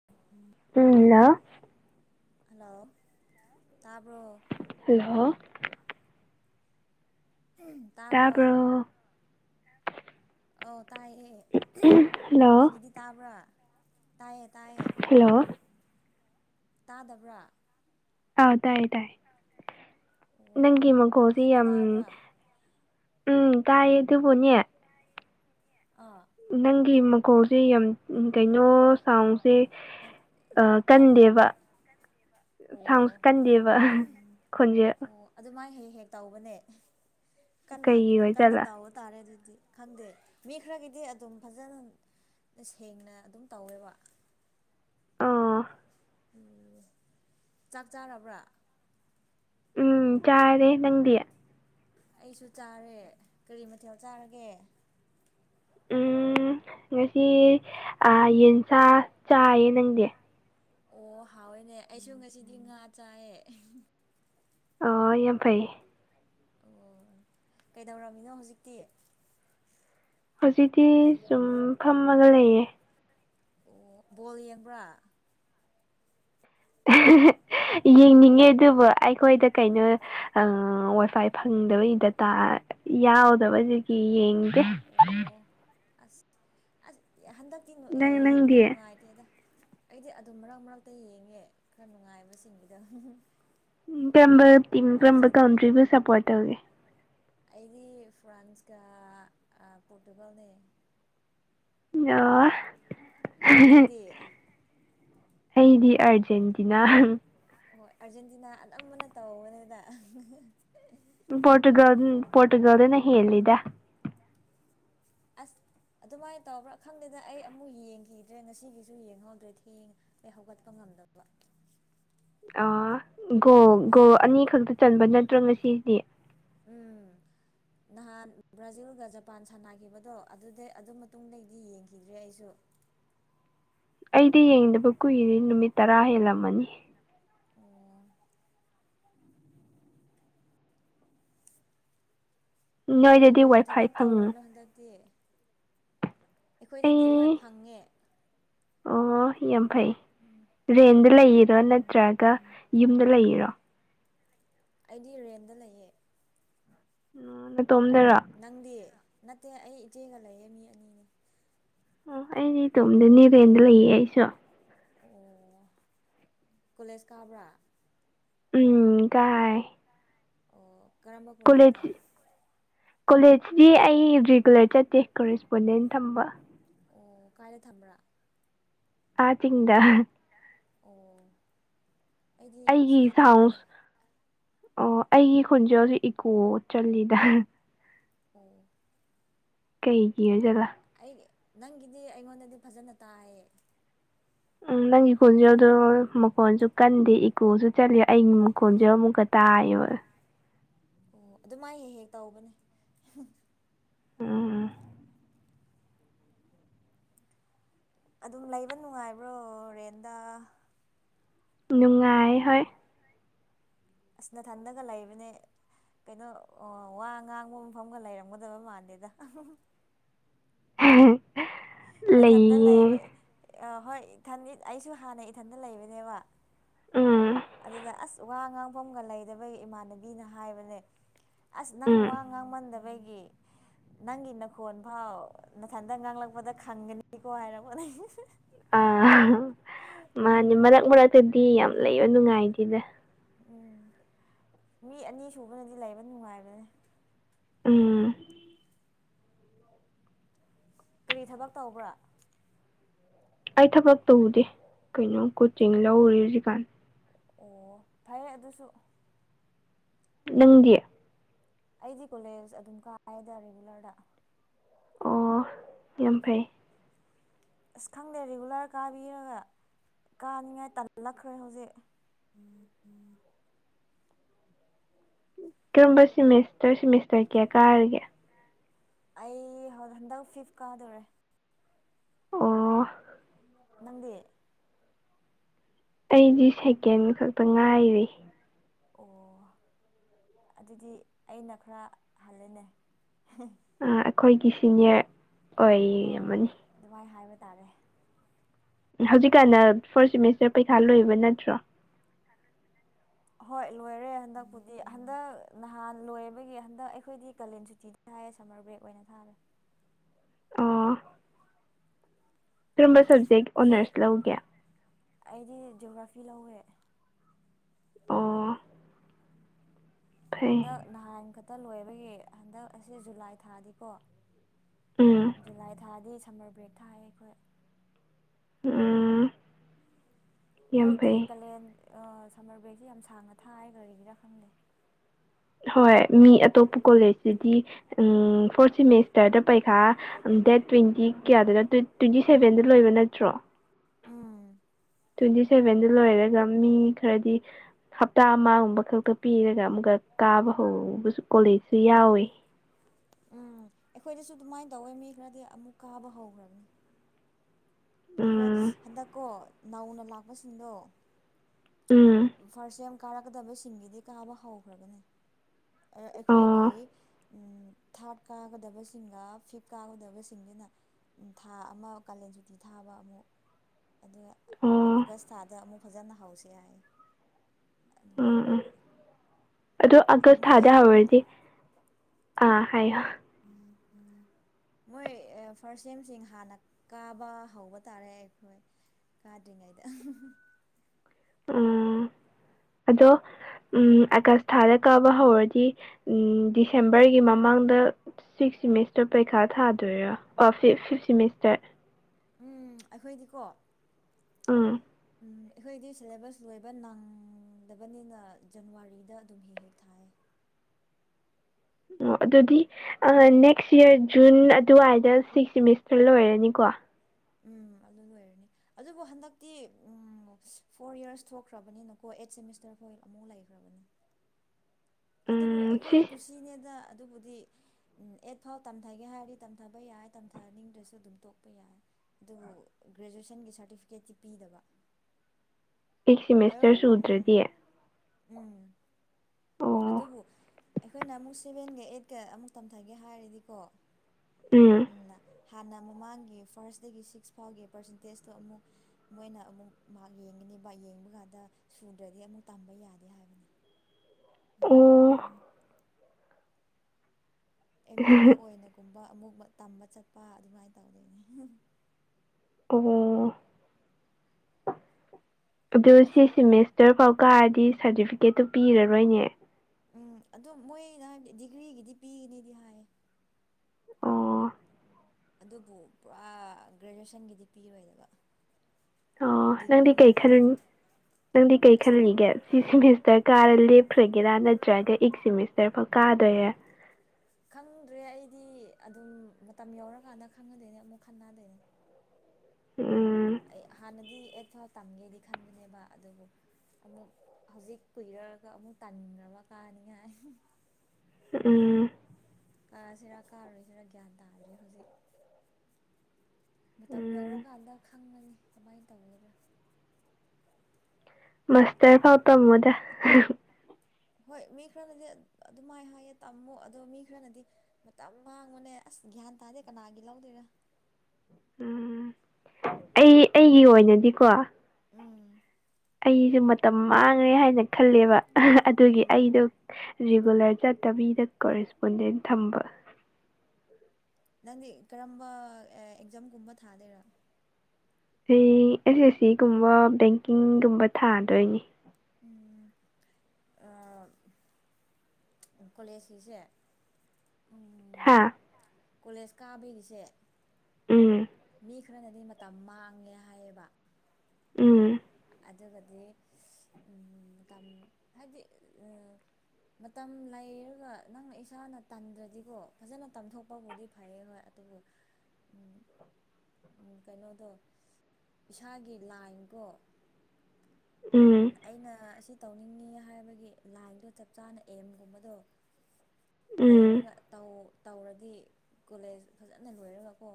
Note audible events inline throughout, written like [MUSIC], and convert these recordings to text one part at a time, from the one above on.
[UNINTELLIGIBLE] ꯎꯝꯂꯣ hello ꯇꯥꯕ꯭ꯔꯣ hello ꯇꯥꯕ꯭ꯔꯣ ꯑꯥꯎ ꯇꯥꯏꯌꯦ ꯍꯜꯂꯣ ꯑꯩꯒꯤꯗꯤ ꯇꯥꯕ꯭ꯔꯥ ꯇꯥꯏꯌꯦ ꯇꯥꯏꯌꯦ ꯍꯜꯂꯣ ꯇꯥꯗꯕ꯭ꯔꯥ ꯑꯥ ꯇꯥꯏꯌꯦ ꯇꯥꯏꯌꯦ ꯑꯣ ꯅꯪꯒꯤ ꯃꯈꯣꯁꯤ ꯐꯖꯅ ꯌꯥꯝ ꯇꯥꯕ꯭ꯔꯥ ꯎꯝ ꯇꯥꯏ ꯑꯗꯨꯕꯣꯅꯦ ꯑ ꯅꯪꯒꯤ ꯃꯈꯣꯜꯁꯦ ꯌꯥꯝ ꯀꯩꯅꯣ ꯁꯥꯎꯟꯁꯦ ꯌꯥꯝ ꯑ ꯇꯞꯄ꯭ꯔꯥ ꯀꯟꯗꯦꯕ ꯁꯥꯎꯁ ꯑꯣ ꯀꯟꯗꯦꯕ ꯈꯣꯟꯖꯦ ꯑꯣ ꯑꯗꯨꯃꯥꯏ ꯍꯦꯛ ꯍꯦꯛ ꯇꯧꯕꯅꯦ ꯀꯟꯅ ꯀꯩꯒꯤ ꯀꯟꯅ ꯑꯣꯏꯖꯥꯠꯂꯥ ꯇꯑ‌ꯣ ꯇꯥꯔꯦ ꯑꯗꯨꯗꯤ ꯈꯪꯗꯦ ꯃꯤ ꯈꯔꯒꯤꯗꯤ ꯑꯗꯨꯝ ꯐꯖꯅ ꯇꯁꯦꯡꯅ ꯑꯗꯨꯝ ꯇꯧꯋꯦꯕ ꯑꯥ ꯎꯝ ꯆꯥꯛ ꯆꯥꯔꯕ꯭ꯔꯥ ꯎꯝ ꯆꯥꯔꯦ ꯅꯪꯗꯤ ꯑꯩꯁꯨ ꯆꯥꯔꯦ ꯀꯔꯤ ꯃꯊꯦꯜ ꯆꯥꯔꯒꯦ ꯎꯝ ꯉꯁꯤ ꯑ ꯌꯦꯟꯁꯥ ꯆꯥꯏꯌꯦ ꯅꯪꯗꯤ ꯑꯣ ꯍꯥꯎꯋꯦꯅꯦ ꯑꯩꯁꯨ ꯉꯁꯤꯗꯤ ꯉꯥ ꯆꯥꯏꯌꯦ ꯑꯣ ꯌꯥꯝ ꯐꯩ ꯑꯣ ꯀꯩꯗꯧꯔꯝꯃꯤꯅꯣ ꯍꯧꯖꯤꯛꯇꯤ ꯍꯧꯖꯤꯛꯇꯤ ꯁꯨꯝ ꯐꯝꯃꯒ ꯂꯩꯌꯦ ꯑꯣ ꯕꯣꯜ ꯌꯦꯡꯕ꯭ꯔꯥ [UNINTELLIGIBLE] ꯌꯦꯡꯅꯤꯡꯉꯦ ꯑꯗꯨꯕꯨ ꯑꯩꯈꯣꯏꯗ ꯀꯩꯅꯣ ꯑ ꯋꯥꯏ ꯐꯥꯏ ꯐꯪꯗꯕꯩ ꯗꯇꯥ ꯌꯥꯎꯗꯕꯁꯤꯒꯤ ꯌꯦꯡꯗꯦ ꯑꯣ ꯑꯁ ꯑꯁ ꯍꯟꯗꯛꯇꯤ ꯅꯪ ꯌꯦꯡꯕ ꯅꯪꯗꯤ ꯅꯨꯡꯉꯥꯏꯇꯦꯗ ꯑꯩꯗꯤ ꯑꯗꯨꯝ ꯃꯔꯛ ꯃꯔꯛꯇ ꯌꯦꯡꯉꯦ ꯈꯔ ꯅꯨꯡꯉꯥꯏꯕꯁꯤꯡꯒꯤꯗ [UNINTELLIGIBLE] ꯎ ꯀꯔꯝꯕ ꯇꯤ ꯀꯔꯝꯕ ꯑꯥꯔꯖꯦꯟ ꯀꯥꯎꯟꯇ꯭ꯔꯤꯕꯨ ꯁꯞꯄꯣꯔꯠ ꯇꯧꯒꯦ ꯑꯩꯗꯤ ꯐ꯭ꯔꯥꯟꯁꯒ ꯄꯣꯔꯇꯨꯒꯥꯜꯅꯦ ꯑꯣ ꯅꯪꯗꯤ ꯑꯩꯗꯤ ꯑꯥꯔꯖꯦꯟꯇ ꯏꯅ ꯍꯣꯏ ꯑꯥꯔꯖꯦꯟꯇꯤꯅꯥ ꯑꯅꯝꯕꯅ ꯇꯧꯕꯅꯦꯗ ꯄꯣꯔꯇꯨꯒꯜ ꯄꯣꯔꯇꯨꯒꯜꯗꯅ ꯍꯦꯜꯂꯤꯗ ꯑꯁ ꯑꯗꯨꯃꯥꯏꯅ ꯇꯧꯕ꯭ꯔꯥ ꯈꯪꯗꯦꯅ ꯑꯩ ꯑꯃꯨꯛ ꯌꯦꯡꯈꯤꯗ꯭ꯔꯦ ꯉꯁꯤꯒꯤꯁꯨ ꯌꯦꯡꯍꯧꯗ꯭ꯔꯦ ꯊꯦꯡꯉ ꯑꯩ ꯍꯧꯒꯠꯄ ꯉꯝꯗꯕ ꯒꯣ ꯒꯣ ꯅꯍꯥꯟ ꯑꯅꯤ ꯈꯛꯇ ꯆꯟꯕ ꯅꯠꯇ꯭ꯔꯣ ꯉꯁꯤꯗꯤ ꯎꯝ [INAUDIBLE] ꯅꯍꯥꯟ ꯕ꯭ꯔꯥꯖꯤꯜꯒ ꯖꯄꯥꯟ ꯁꯥꯟꯅꯈꯤꯕꯗꯣ ꯑꯗꯨꯗꯩ ꯑꯗꯨ ꯃꯇꯨꯡꯗꯩꯗꯤ ꯌꯦꯡꯈꯤꯗ꯭ꯔꯦ ꯑꯩꯁꯨ ꯑꯩꯗꯤ ꯌꯦꯡꯗꯕ ꯀꯨꯏꯔꯤ ꯅꯨꯃꯤꯠ ꯇꯔꯥ ꯍꯦꯜꯂꯝꯃꯅꯤ ꯑꯣ ꯀꯔꯤ ꯅꯣꯏꯗꯗꯤ ꯀꯔꯤ ꯋꯥꯏꯐꯥꯏ ꯊꯕꯛ ꯐꯪꯉ ꯇꯧꯔꯅꯣ ꯍꯟꯗꯛꯇꯤ ꯑꯩꯈꯣꯏꯗꯗꯤ ꯍꯣꯏ ꯑꯩ ꯐꯪꯉꯦ ꯑꯣ ꯌꯥꯝ ꯐꯩ ꯔꯦꯟꯗ ꯎꯝ ꯂꯩꯔꯣ ꯅꯠꯇ꯭ꯔꯒ ꯌꯨꯝꯗ ꯂꯩꯔꯣ ꯑꯩꯗꯤ ꯔꯦꯝꯗ ꯂꯩꯌꯦ ꯎꯝ ꯅꯇꯣꯝꯗꯔꯣ ꯅꯪꯗꯤ ꯅꯠꯇꯦ ꯑꯩ ꯏꯆꯦꯒ ꯂꯩꯌꯦ ꯃꯤ ꯑꯅꯤꯅꯦ ꯑꯣ ꯑꯩꯗꯤ ꯏꯇꯣꯝꯗ ꯅꯤ ꯔꯦꯟꯗ ꯂꯩꯌꯦ ꯑꯩꯁꯨ ꯑꯣ ꯀꯣꯂꯦꯖ ꯀꯥꯕ꯭ꯔꯥ ꯎꯝ ꯀꯥꯏ ꯑꯣ ꯀꯔꯝꯕ ꯀꯣꯂꯦꯖꯇ ꯀꯣꯂꯦꯖꯁꯤꯗꯤ ꯑꯩ ꯔꯤꯒꯨꯂꯔ ꯆꯠꯇꯦ ꯀꯔꯦꯁꯄꯣꯟꯗꯦꯟ ꯊꯝꯕ ꯑꯣ ꯀꯥꯏꯗ ꯊꯝꯕ꯭ꯔꯥ ꯑꯥꯁꯤꯡꯗ ꯑꯣ ꯑꯩꯗꯤ ꯑꯩꯒꯤ ꯁꯤꯗ ꯊꯝꯃꯦꯗ ꯁꯥꯎꯟꯁ ꯑꯣ ꯑꯩꯒꯤ ꯈꯨꯣꯟꯖꯦꯜꯁꯤ ꯏꯀꯣ ꯆꯜꯂꯤꯗ ꯑꯣ ꯀꯩꯒꯤ ꯑꯣꯏꯖꯠꯂꯥ ꯑꯩ ꯅꯪꯒꯤꯗꯤ ꯑꯩꯉꯣꯟꯗꯗꯤ ꯐꯖꯅ ꯇꯥꯏꯌꯦ ꯎꯝ ꯅꯪꯒꯤ ꯈꯣꯟꯖꯦꯜꯗꯣ ꯃꯈꯣꯟꯁꯨ ꯀꯟꯗꯦ ꯏꯀꯣꯁꯨ ꯆꯠꯂꯤ ꯑꯩ ꯈꯣꯟꯖꯦꯜ ꯑꯃꯨꯛꯀ ꯇꯥꯏꯕ ꯑꯣ ꯑꯗꯨꯃꯥꯏ ꯍꯦꯛ ꯍꯦꯛ ꯇꯧꯕꯅꯦ ꯎꯝꯝ ꯑꯗꯨꯝ ꯂꯩꯕ ꯅꯨꯡꯉꯥꯏꯕ꯭ꯔꯣ ꯔꯦꯟꯗ ꯅꯨꯡꯉꯥꯏ ꯍꯣꯏ ꯑꯁꯅ ꯊꯟꯗꯒ ꯂꯩꯕꯅꯦ ꯀꯩꯅꯣ ꯋꯥ ꯉꯥꯡꯕ ꯃꯐꯝꯒ ꯂꯩꯔꯝꯒꯗꯕ ꯃꯥꯟꯗꯦꯗ ꯏꯊꯟꯗ ꯂꯩꯌꯦ ꯂꯩꯕ ꯍꯣꯏ ꯏꯊꯟ ꯑꯩꯁꯨ ꯍꯥꯟꯅ ꯏꯊꯟꯗ ꯂꯩꯕꯅꯦꯕ ꯎꯝ ꯑꯗꯨꯗ ꯑꯁ ꯋꯥ ꯉꯥꯡꯐꯝꯒ ꯂꯩꯗꯕꯩ ꯏꯃꯥꯟꯅꯕꯤꯅ ꯍꯥꯏꯕꯅꯦ ꯑꯁ ꯅꯪ ꯎꯝ ꯋꯥ ꯉꯥꯡꯃꯟꯗꯕꯒꯤ ꯅꯪꯒꯤ ꯅꯈꯣꯟ ꯐꯥꯎ ꯅꯊꯟꯗ ꯉꯥꯡꯂꯛꯄꯗ ꯈꯪꯒꯅꯤꯀꯣ ꯍꯥꯏꯔꯛꯄꯅꯤ [UNINTELLIGIBLE] ꯑꯥ ꯃꯥꯅꯤ ꯃꯔꯛ ꯃꯔꯛꯇꯗꯤ ꯌꯥꯝ ꯂꯩꯕ ꯅꯨꯡꯉꯥꯏꯇꯦꯗ ꯎꯝ ꯃꯤ ꯑꯅꯤ ꯁꯨꯕꯅꯗꯤ ꯂꯩꯕ ꯅꯨꯡꯉꯥꯏꯕꯅꯦ ꯎꯝ ꯀꯔꯤ ꯊꯕꯛ ꯇꯧꯕ꯭ꯔꯥ ꯑꯩ ꯊꯕꯛ ꯇꯧꯗꯦ ꯀꯩꯅꯣ ꯀꯣꯆꯤꯡ ꯂꯧꯔꯤ ꯍꯧꯖꯤꯛꯀꯥꯟ ꯑꯣ ꯐꯩꯌꯦ ꯑꯗꯨꯁꯨ ꯅꯪꯗꯤ ꯑꯩꯗꯤ ꯀꯣꯂꯦꯖ ꯑꯗꯨꯝ ꯀꯥꯏꯗ ꯔꯤꯒꯨꯂꯔꯗ ꯑꯣ ꯌꯥꯝ ꯐꯩ ꯑꯁ ꯈꯪꯗꯦ ꯔꯤꯒꯨꯂꯔ ꯀꯥꯕꯤꯔꯒ ꯀꯥꯅꯤꯡꯉꯥꯏ ꯇꯜꯂꯛꯈ꯭ꯔꯦ ꯍꯧꯖꯤꯛ [INAUDIBLE] ꯀꯔꯝꯕ ꯁꯤꯃꯦꯁꯇꯔ ꯁꯤꯃꯦꯁꯇꯔ ꯀꯌꯥ ꯀꯥꯔꯤꯒꯦ ꯑꯩ ꯍ ꯍꯟꯗꯛ ꯐꯤꯐ ꯀꯥꯗꯣꯔꯦ ꯑꯣ ꯅꯪꯗꯤ ꯑꯩꯗꯤ ꯁꯦꯀꯦꯟ ꯈꯛꯇ ꯉꯥꯏꯔꯤ ꯑꯣ ꯑꯗꯨꯗꯤ ꯑꯩꯅ ꯈꯔ ꯍꯜꯂꯦꯅꯦ ꯑꯥ ꯑꯈꯣꯏꯒꯤ ꯁꯦꯅꯤꯌꯔ ꯑꯣ ꯑꯗꯨꯃꯥꯏ ꯍꯥꯏꯕ ꯇꯥꯔꯦ ꯍꯧꯖꯤꯛꯀꯥꯟꯅ ꯐꯥꯔꯁ ꯁꯦꯃꯤꯁꯇꯔ ꯄꯩꯈꯥ ꯂꯣꯏꯕ ꯅꯠꯇ꯭ꯔꯣ [UNINTELLIGIBLE] ꯍꯣꯏ ꯂꯣꯏꯔꯦ ꯍꯟꯗꯛꯄꯨꯗꯤ ꯍꯟꯗꯛ ꯅꯍꯥꯟ ꯂꯣꯏꯕꯒꯤ ꯍꯟꯗꯛ ꯑꯩꯈꯣꯏꯗꯤ ꯀꯥꯂꯦꯟ ꯁꯨꯇꯤ ꯊꯥꯏꯌꯦ ꯁꯃꯔ ꯕ꯭ꯔꯦꯛ ꯑꯣꯏꯅ ꯊꯥꯔꯦ ꯑꯥ ꯀꯔꯝꯕ ꯁꯕꯖꯦꯛ ꯁꯤ ꯑꯣꯅꯔꯁ ꯂꯧꯒꯦ ꯑꯩꯗꯤ ꯖꯤꯑꯣꯒ꯭ꯔꯥꯐꯤ ꯂꯧꯋꯦ ꯑꯣ ꯐꯩ ꯍꯟꯗꯛ ꯅꯍꯥꯟ ꯈꯛꯇ ꯂꯣꯏꯕꯒꯤ ꯍꯟꯗꯛ ꯑꯁꯤ ꯖꯨꯂꯥꯏ ꯊꯥꯗꯤꯀꯣ ꯎꯝ ꯖꯨꯂꯥꯏ ꯊꯥꯗꯤ ꯁꯝꯃꯔ ꯕ꯭ꯔꯦꯛ ꯊꯥꯏ ꯑꯩꯈꯣꯏ ꯎꯝ ꯌꯥꯝ ꯑꯩꯈꯣꯏꯗꯤ ꯐꯩ ꯀꯥꯂꯦꯟ ꯑꯥ ꯁꯝꯃꯔ ꯕ꯭ꯔꯦꯛꯁꯤ ꯌꯥꯝ ꯁꯥꯡꯅ ꯊꯥꯏ ꯀꯔꯤꯒꯤꯔꯥ ꯈꯪꯗꯦ ꯍꯣꯏ ꯃꯤ ꯑꯇꯣꯞꯄ ꯀꯣꯂꯦꯖꯇꯗꯤ ꯎꯝ ꯐꯣꯔ ꯁꯤꯃꯦꯁꯇꯔꯗ ꯄꯩꯈꯥ ꯑꯝ ꯗꯦꯠ ꯇ꯭ꯋꯦꯟꯇꯤ ꯀꯌꯥꯗꯅꯣ ꯇ꯭ꯋꯦ ꯇ꯭ꯋꯦꯟꯇꯤ ꯁꯦꯚꯦꯟꯗ ꯂꯣꯏꯕ ꯅꯠꯇ꯭ꯔꯣ ꯎꯝ ꯇ꯭ꯋꯦꯟꯇꯤ ꯁꯚꯦꯟꯗ ꯂꯣꯏꯔꯒ ꯃꯤ ꯈꯔꯗꯤ ꯍꯞꯇꯥ ꯑꯃꯒꯨꯝꯕ ꯈꯛꯇ ꯄꯤꯔꯒ ꯑꯃꯨꯛꯀ ꯀꯥꯕ ꯍꯧꯕꯁꯨ ꯀꯣꯂꯦꯖꯁꯦ ꯌꯥꯎꯋꯦ ꯎꯝ ꯑꯈꯣꯏꯗꯁꯨ ꯑꯗꯨꯃꯥꯏꯅ ꯇꯧꯋꯦ ꯃꯤ ꯈꯔꯗꯤ ꯑꯃꯨꯛ ꯀꯥꯕ ꯍꯧꯒ꯭ꯔꯕꯅꯤ ꯑꯩꯈꯣꯏ ꯎꯝ ꯍꯟꯗꯛꯀꯣ ꯅꯧꯅ ꯂꯥꯛꯄꯁꯤꯡꯗꯣ ꯎꯝ ꯐꯥꯔꯁ ꯁꯦꯝ ꯀꯥꯔꯛꯀꯗꯕꯁꯤꯡꯒꯤꯗꯤ ꯀꯥꯕ ꯍꯧꯈ꯭ꯔꯕꯅꯤ ꯑꯩꯈꯣꯏꯒꯤ ꯑꯣ ꯎꯝ ꯊꯥꯔꯠ ꯀꯥꯒꯗꯕꯁꯤꯡꯒ ꯐꯤꯞ ꯀꯥꯒꯗꯕꯁꯤꯡꯖꯤꯅ ꯎꯝ ꯊꯥ ꯑꯃ ꯀꯥꯂꯦꯟ ꯁꯨꯇꯤ ꯊꯥꯕ ꯑꯃꯨꯛ ꯑꯗꯨ ꯑꯣ ꯑꯥꯒꯁ꯭ꯠ ꯊꯥꯗ ꯑꯃꯨꯛ ꯐꯖꯅ ꯍꯧꯁꯦ ꯍꯥꯏꯌꯦ ꯑꯗꯨꯃꯥꯏ ꯎꯝ ꯎꯝ ꯄꯤꯔꯛꯑꯦ ꯑꯗꯣ ꯑꯥꯒꯁ꯭ꯠ ꯃꯣꯏ ꯊꯥꯗ ꯍꯧꯔꯗꯤ ꯑꯥ ꯍꯥꯏꯌꯣ [UNINTELLIGIBLE] ꯃꯣꯏ ꯐꯥꯔꯁ ꯁꯦꯝꯁꯤꯡ ꯍꯥꯟꯅ ꯀꯥꯕ ꯍꯧꯕ ꯇꯥꯔꯦ ꯑꯩꯈꯣꯏ ꯀꯥꯗ꯭ꯔꯤꯉꯩꯗ ꯎꯝ ꯑꯗꯣ ꯎꯝ ꯑꯥꯒꯁ꯭ꯇ ꯊꯥꯗ ꯀꯥꯕ ꯍꯧꯔꯗꯤ ꯎꯝ ꯗꯤꯁꯦꯝꯕꯔꯒꯤ ꯃꯃꯥꯡꯗ ꯁꯤꯛꯁ ꯁꯦꯃꯤꯁꯇꯔ ꯄꯩꯈꯥ ꯊꯥꯗꯣꯏꯔ ꯑꯥꯥ ꯐꯤꯞ ꯐꯤꯞ ꯁꯦꯃꯤꯁꯇꯔ ꯎꯝ ꯑꯩꯈꯣꯏꯗꯤꯀꯣ ꯑꯥ ꯑꯩꯈꯣꯏꯗꯤ ꯁꯦꯂꯦꯕꯁ ꯂꯣꯏꯕ ꯅꯪꯗꯕꯅꯤꯅ ꯖꯅꯋꯥꯔꯤꯗ ꯑꯗꯨꯝ ꯍꯦꯛ ꯍꯦꯛ ꯊꯥꯏ ꯑꯣ ꯑꯗꯨꯗꯤ ꯅꯦꯛꯁ ꯌꯔ ꯖꯨꯟ ꯑꯗꯨꯋꯥꯏꯗ ꯁꯤꯛꯁ ꯁꯤꯦꯃꯤꯁꯇꯔ ꯂꯣꯏꯔꯅꯤꯀꯣ ꯎꯝ ꯑꯗꯨ ꯂꯣꯏꯔꯅꯤ ꯑꯗꯨꯕꯨ ꯍꯟꯗꯛꯇꯤ ꯐꯣꯔ ꯌꯔꯁ ꯊꯣꯛꯈ꯭ꯔꯕꯅꯤꯅꯀꯣ ꯑꯩꯠ ꯁꯦꯃꯤꯁꯇꯔ ꯐꯥꯎ ꯑꯃꯨꯛ ꯂꯩꯈ꯭ꯔꯕꯅꯤ ꯑꯗꯨꯕꯨ ꯎꯝ ꯑꯩꯈꯣꯏꯒꯤ ꯁꯤ ꯀꯟꯁꯤꯅꯦꯗ ꯑꯗꯨꯕꯨꯗꯤ ꯑꯦꯠ ꯐꯥꯎ ꯇꯝꯊꯒꯦ ꯍꯥꯏꯔꯗꯤ ꯇꯝꯊꯕ ꯌꯥꯏ ꯇꯝꯊꯅꯤꯡꯗ꯭ꯔꯁꯨ ꯑꯗꯨꯝ ꯇꯣꯛꯄ ꯌꯥꯏ ꯑꯗꯨꯕꯨ ꯒ꯭ꯔꯦꯖꯨꯑꯦꯁꯟꯒꯤ ꯁꯔꯗꯤꯐꯤꯀꯦꯠꯇꯤ ꯄꯤꯗꯕ ꯑꯩꯠ ꯑꯗꯣ ꯁꯤꯃꯦꯁꯇꯔ ꯎꯝ ꯁꯨꯗ꯭ꯔꯗꯤ ꯎꯝ ꯑꯣ ꯑꯗꯨꯕꯨ ꯑꯩꯈꯣꯏꯅ ꯑꯃꯨꯛ ꯁꯦꯚꯦꯟꯒ ꯑꯩꯠꯀ ꯑꯃꯨꯛ ꯇꯝꯊꯒꯦ ꯍꯥꯏꯔꯗꯤꯀꯣ ꯎꯝ ꯎꯝ ꯅ ꯃꯃꯥꯡꯒꯤ ꯐꯥꯔ꯭ꯁꯇꯒꯤ ꯁꯤꯛꯁ ꯐꯥꯎꯒꯤ ꯄꯥꯔꯁꯦꯟꯇꯦꯖꯇꯣ ꯑꯃꯨꯛ ꯃꯣꯏꯅ ꯑꯃꯨꯛ ꯃꯥꯔꯛ ꯌꯦꯡꯒꯅꯤꯕ ꯌꯦꯡꯕ ꯀꯥꯟꯗ ꯁꯨꯗ꯭ꯔꯗꯤ ꯑꯃꯨꯛ ꯇꯝꯕ ꯌꯥꯗꯦ ꯍꯥꯏꯕꯅꯦ ꯑꯣ [UNINTELLIGIBLE] ꯑꯦꯝ ꯌꯨꯗ ꯑꯣꯏꯅꯒꯨꯝꯕ ꯑꯃꯨꯛ ꯇꯝꯕ ꯆꯠꯄ ꯑꯗꯨꯃꯥꯏꯅ ꯇꯧꯗꯣꯏꯅꯦ ꯑꯣ ꯑꯗꯨ ꯑꯁ ꯁꯤꯁꯤꯅꯦ ꯗꯇꯔꯐꯥꯎ ꯀꯥꯔꯗꯤ ꯁꯥꯔꯇꯤꯐꯤꯀꯦꯠꯇꯨ ꯄꯤꯔꯔꯣꯏꯅꯦ ꯎꯝ ꯑꯗꯣ ꯃꯣꯏꯅ ꯍꯥꯏꯕꯗꯤ ꯗꯤꯒ꯭ꯔꯤꯒꯤꯗꯤ ꯄꯤꯒꯅꯤꯗꯤ ꯍꯥꯏꯌꯦ ꯑꯣ ꯑꯗꯨꯕꯨ ꯄꯨꯔꯥ ꯒ꯭ꯔꯦꯖꯨꯋꯦꯁꯟꯒꯤꯗꯤ ꯄꯤꯔꯣꯏꯗꯕ ꯑꯣ ꯅꯪꯗꯤ ꯗꯤꯒ꯭ꯔꯤ ꯀꯩ ꯈꯟ ꯈꯛꯇ ꯅꯪꯗꯤ ꯀꯩ ꯑꯁ ꯈꯜꯂꯤꯒꯦ ꯁꯤ ꯁꯦꯃꯤꯁꯇꯔ ꯀꯥꯔ ꯂꯦꯞꯈ꯭ꯔꯒꯦꯔꯥ ꯅꯠꯇ꯭ꯔꯒ ꯑꯦꯛ ꯁꯦꯃꯤꯁꯇꯔ ꯐꯥꯎ ꯀꯥꯗꯣꯏꯔꯦ ꯈꯪꯗ꯭ꯔꯦ ꯑꯩꯗꯤ ꯑꯗꯨꯝ ꯃꯇꯝ ꯌꯧꯔꯀꯥꯟꯗ ꯈꯪꯉꯗꯣꯏꯅꯦ ꯑꯃꯨꯛ ꯈꯟꯅꯗꯣꯏꯅꯦ ꯎꯝ ꯑꯩ ꯍꯥꯟꯅꯗꯤ ꯑꯦꯠꯚꯥꯟꯁ ꯇꯝꯒꯦꯗꯤ ꯈꯟꯕꯅꯦꯕ ꯑꯗꯨꯕꯨ ꯑꯃꯨꯛ ꯍꯧꯖꯤꯛ ꯀꯨꯏꯔꯒ ꯑꯃꯨꯛ ꯇꯟꯈ꯭ꯔꯕ ꯀꯥꯟꯅꯤꯉꯥꯏ ꯎꯝ ꯀꯥꯔꯁꯤꯔꯥ ꯀꯥꯔꯣꯏꯁꯤꯔꯥ ꯒ꯭ꯌꯥꯟ ꯇꯥꯗ꯭ꯔꯦ ꯍꯧꯖꯤꯛ ꯃꯇꯝ ꯎꯝ ꯌꯧꯔꯀꯥꯟꯗ ꯈꯪꯉꯅꯤ ꯀꯃꯥꯏꯅ ꯇꯧꯒꯗ꯭ꯔꯥ ꯃꯁꯇꯔ ꯐꯥꯎ ꯇꯝꯃꯣꯗ ꯍꯣꯏ ꯃꯤ ꯈꯔꯅꯗꯤ ꯑꯗꯨꯝꯃꯥꯏ ꯍꯥꯏꯌꯦ ꯇꯝꯃꯨ ꯑꯗꯣ ꯃꯤ ꯈꯔꯅꯗꯤ ꯃꯇꯝ ꯃꯥꯡꯕꯅꯦ ꯑꯁ ꯒ꯭ꯌꯥꯟ ꯇꯥꯗꯦ ꯀꯅꯥꯒꯤ ꯂꯧꯗꯣꯏꯔꯥ ꯎꯝ ꯑꯩ ꯑꯩꯒꯤ ꯑꯣꯏꯅꯗꯤꯀꯣ ꯎꯝ ꯑꯩꯁꯨ ꯃꯇꯝ ꯃꯥꯡꯉꯦ ꯍꯥꯏꯅ ꯈꯜꯂꯦꯕ ꯑꯗꯨꯒꯤ ꯎꯝ ꯑꯩꯗꯣ ꯔꯤꯒꯨꯂꯔ ꯆꯠꯇꯕꯤꯗ ꯀꯣꯔꯦꯁꯄꯣꯟꯗꯦꯟꯠ ꯊꯝꯕ ꯅꯪꯗꯤ ꯀꯔꯝꯕ ꯑꯦꯛꯖꯥꯝꯒꯨꯝꯕ ꯊꯥꯗꯣꯏꯔꯥ ꯁꯤ ꯑꯦꯁ ꯑꯦꯁ ꯁꯤꯒꯨꯝꯕ ꯕꯦꯡꯀꯤꯡꯒꯨꯝꯕ ꯊꯥꯗꯣꯏꯅꯤ ꯎ ꯑ ꯎꯝ ꯀꯣꯂꯦꯖ ꯁꯤꯡꯁꯦ ꯎꯝ ꯍꯥ ꯀꯣꯂꯦꯖ ꯀꯥꯕꯒꯤꯁꯦ ꯎꯝ ꯃꯤ ꯈꯔꯅꯗꯤ ꯃꯇꯝ ꯃꯥꯡꯉꯦ ꯍꯥꯏꯌꯦꯕ ꯎꯝ ꯑꯗꯨꯒꯗꯤ ꯎꯝ ꯇꯝ ꯍꯥꯏꯕꯗꯤ ꯑꯥ ꯃꯇꯝ ꯂꯩꯔꯒ ꯅꯪꯅ ꯏꯁꯥꯅ ꯇꯟꯗ꯭ꯔꯗꯤꯀꯣ ꯐꯖꯅ ꯇꯝꯊꯣꯛꯄꯕꯨꯗꯤ ꯐꯩ ꯍꯣꯏ ꯗꯨꯕꯨ ꯎꯝ ꯎꯝ ꯀꯩꯅꯣꯗꯣ ꯏꯁꯥꯒꯤ ꯂꯥꯏꯟꯀꯣ ꯎꯝ ꯑꯩꯅ ꯑꯁꯤ ꯇꯧꯅꯤꯡꯉꯤ ꯍꯥꯏꯕꯒꯤ ꯂꯥꯏꯟꯗꯣ ꯆꯞ ꯆꯥꯅ ꯑꯦꯝꯒꯨꯝꯕꯗꯣ ꯎꯝ ꯂꯩꯔꯒ ꯇꯧꯔꯗꯤ ꯀꯣꯂꯦꯖ ꯐꯖꯅ ꯂꯣꯏꯔꯒꯀꯣ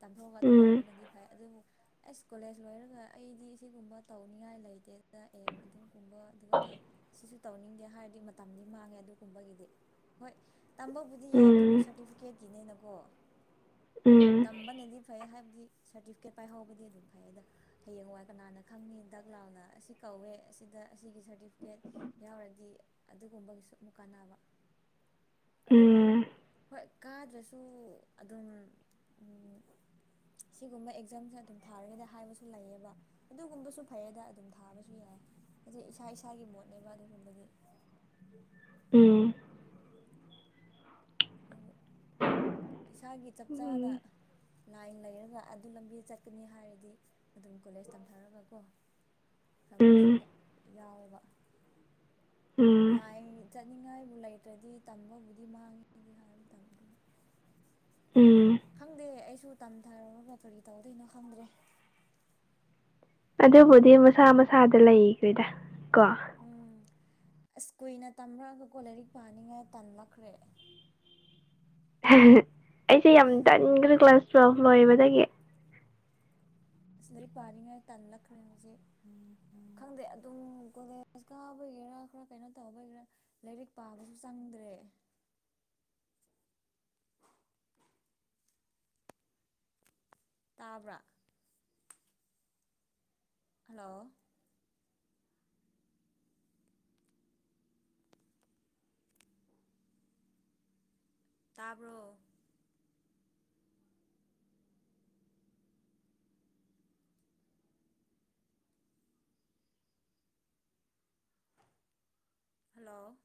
ꯇꯥꯝꯊꯣꯛꯑꯒ ꯑꯗꯨ ꯎꯝ ꯇꯧꯕꯅꯗꯤ ꯐꯩ ꯑꯗꯨꯕꯨ ꯑꯁ ꯀꯣꯂꯦꯖ ꯂꯣꯏꯔꯒ ꯑꯩꯗꯤ ꯁꯤꯒꯨꯝꯕ ꯇꯧꯅꯤꯡꯉꯥꯏ ꯂꯩꯇꯦꯗ ꯑꯦꯝ ꯑꯗꯨꯒꯨꯝꯕ ꯑꯗꯨꯗ ꯁꯤꯁꯨ ꯇꯧꯅꯤꯡꯗꯦ ꯍꯥꯏꯔꯗꯤ ꯃꯇꯝꯗꯤ ꯃꯥꯡꯉꯦ ꯑꯗꯨꯒꯨꯝꯕꯒꯤꯗꯤ ꯍꯣꯏ ꯇꯝꯕꯕꯨꯗꯤ ꯌꯥꯏ ꯑꯗꯨꯕꯨ ꯎꯝ ꯁꯔꯇꯤꯐꯤꯀꯦꯠꯀꯤꯅꯦꯅꯀꯣ ꯎꯝ ꯇꯝꯕꯅꯗꯤ ꯐꯩꯌꯦ ꯍꯥꯏꯕꯗꯤ ꯁꯔꯗꯤꯐꯤꯀꯦꯠ ꯄꯥꯏꯍꯧꯕꯗꯤ ꯑꯗꯨꯝ ꯐꯩ ꯌꯦꯗ ꯍꯌꯦꯡ ꯋꯥꯏ ꯀꯅꯥꯅ ꯈꯪꯅꯤ ꯗꯛ ꯂꯥꯎꯅ ꯑꯁꯤ ꯀꯧꯋꯦ ꯑꯁꯤꯗ ꯑꯁꯤꯒꯤ ꯁꯔꯗꯤꯐꯤꯀꯦꯠ ꯌꯥꯎꯔꯗꯤ ꯑꯗꯨꯒꯨꯝꯕꯒꯤꯁꯨ ꯑꯃꯨꯛ ꯀꯥꯟꯅꯕ [INAUDIBLE] ꯑꯗꯨꯕꯨ ꯎꯝ ꯍꯣꯏ ꯀꯥꯗ꯭ꯔꯁꯨ ꯑꯗꯨꯝ ꯁꯤꯒꯨꯝꯕ ꯑꯦꯛꯖꯥꯝꯁꯦ ꯑꯗꯨꯝ ꯊꯥꯔꯒꯗꯤ ꯍꯥꯏꯕꯁꯨ ꯂꯩꯌꯦꯕ ꯑꯗꯨꯒꯨꯝꯕꯁꯨ ꯐꯩꯌꯦꯗ ꯑꯗꯨꯝ ꯊꯥꯕꯁꯨ ꯌꯥꯏ ꯍꯥꯏꯗꯤ ꯏꯁꯥ ꯏꯁꯥꯒꯤ ꯃꯣꯠꯅꯦꯕ ꯑꯗꯨꯒꯨꯝꯕꯗꯤ ꯎꯝ ꯑꯗꯨ ꯏꯁꯥꯒꯤ ꯆꯞ ꯆꯥꯅ ꯎꯝ ꯂꯥꯏꯟ ꯂꯩꯔꯒ ꯑꯗꯨ ꯂꯝꯕꯤꯗ ꯆꯠꯀꯅꯤ ꯍꯥꯏꯔꯗꯤ ꯑꯗꯨꯝ ꯀꯣꯂꯦꯖ ꯇꯝꯊꯔꯒꯀꯣ ꯇꯝꯕꯁꯨ ꯎꯝ ꯌꯥꯎꯋꯦꯕ ꯎꯝ ꯂꯥꯏ ꯆꯠꯅꯤꯡꯉꯥꯏꯕꯨ ꯂꯩꯇ꯭ꯔꯗꯤ ꯇꯝꯕꯕꯨꯗꯤ ꯃꯥꯡꯉꯤꯗꯤ ꯍꯥꯏꯥꯟꯅ ꯇꯝꯕꯗꯨ ꯎꯝ ꯈꯪꯗꯦ ꯑꯩꯁꯨ ꯇꯝꯊꯔꯨꯔꯒ ꯀꯔꯤ ꯇꯧꯗꯣꯏꯅꯣ ꯈꯪꯗ꯭ꯔꯦ ꯑꯗꯨꯕꯨꯗꯤ ꯃꯁꯥ ꯃꯁꯥꯗ ꯂꯩꯈꯦꯗ ꯀꯣ ꯎꯝ ꯑꯁ ꯀꯨꯏꯅ ꯇꯝꯔꯛꯑꯒꯀꯣ ꯂꯥꯏꯔꯤꯛ ꯄꯥꯅꯤꯡꯉꯥꯏ ꯇꯝꯂꯛꯈ꯭ꯔꯦ ꯑꯩꯁꯦ ꯌꯥꯝ ꯇꯟꯈ꯭ꯔꯦ ꯀ꯭ꯂꯥꯁ ꯇꯨꯌꯦꯦꯜꯐ ꯂꯣꯏꯕꯗꯒꯤ ꯑꯁ ꯂꯥꯏꯛ ꯄꯥꯔꯤꯉꯩ ꯇꯥꯟꯜꯂꯛꯈ꯭ꯔꯦ ꯍꯧꯖꯤꯛ ꯎꯝ ꯈꯪꯗꯦ ꯑꯗꯨꯝ ꯀꯣꯂꯦꯖ ꯀꯥꯕꯒꯤꯒꯦꯔꯥ ꯈꯔ ꯀꯩꯅꯣ ꯇꯥꯕꯒꯤꯔꯥ ꯂꯥꯏꯔꯤꯛ ꯄꯥꯕꯁꯨ ꯆꯪꯗ꯭ꯔꯦ ꯇꯥꯕ꯭ꯔꯥ ꯍꯜꯂꯣ ꯇꯥꯕ꯭ꯔꯣ ꯍꯜꯂꯣ